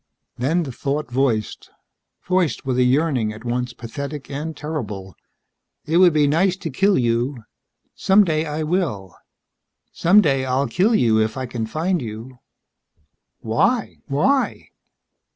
Then the thought voiced voiced with a yearning at once pathetic and terrible: "It would be nice to kill you. Someday I will. Someday I'll kill you if I can find you." "Why? Why?"